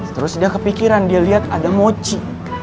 terus dia kepikiran dia lihat ada mochi